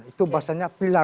itu bahasanya pilar